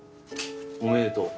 おめでとう。